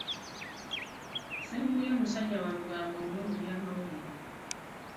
Sseguya musajja wa lugambo nnyo mu byamawulire.